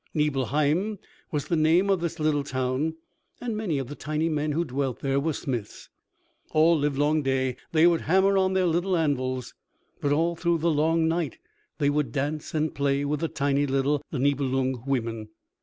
Nibelheim was the name of this little town and many of the tiny men who dwelt there were smiths. All the livelong day they would hammer on their little anvils, but all through the long night they would dance and play with tiny little Nibelung women.